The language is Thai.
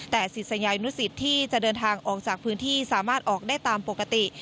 แต่ศิษยานุสิตที่จะเดินทางออกจากพื้นที่สามารถออกได้ตามปกติ